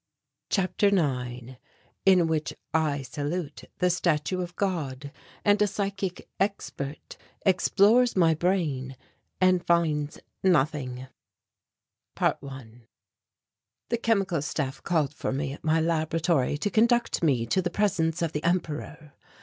CHAPTER IX IN WHICH I SALUTE THE STATUE OF GOD AND A PSYCHIC EXPERT EXPLORES MY BRAIN AND FINDS NOTHING ~1~ The Chemical Staff called for me at my laboratory to conduct me to the presence of the Emperor.